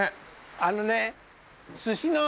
あのね。